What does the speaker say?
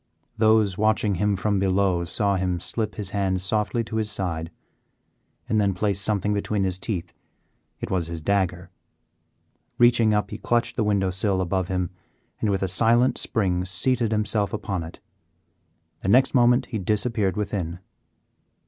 Those watching him from be low saw him slip his hand softly to his side, and then place something between his teeth. It was his dagger. Reaching up, he clutched the window sill above him and, with a silent spring, seated himself upon it. The next moment he disappeared within.